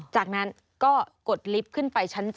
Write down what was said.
จากนั้นก็กดลิฟต์ขึ้นไปชั้น๗